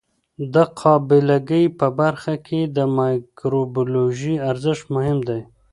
د قابله ګۍ په برخه کې د مایکروبیولوژي ارزښت مهم دی.